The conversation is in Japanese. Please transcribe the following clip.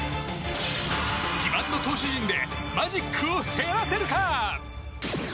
自慢の投手陣でマジックを減らせるか？